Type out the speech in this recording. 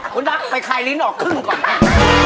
คุณนักใครลิ้นออกครึ่งก่อนแห้ง